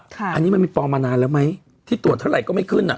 อันนี้มันมีปลอมมานานแล้วไหมที่ตรวจเท่าไหร่ก็ไม่ขึ้นอ่ะ